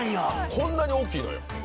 こんなに大きいのよ。